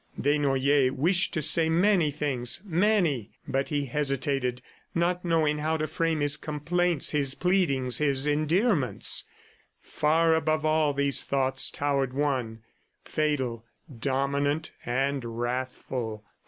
Desnoyers wished to say many things; many ... but he hesitated, not knowing how to frame his complaints, his pleadings, his endearments. Far above all these thoughts towered one, fatal, dominant and wrathful.